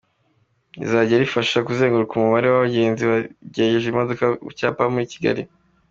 Rizajya rifasha kugenzura umubare w’abagenzi bategereje imodoka ku cyapa muri Kigali.